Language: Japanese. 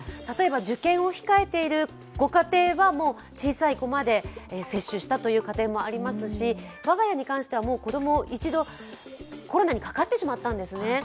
例えば受験を控えているご家庭は小さい子まで接種したという家庭もありますし我が家に関しては子供、一度コロナにかかってしまったんですね。